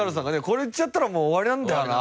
「これ言っちゃったらもう終わりなんだよな」。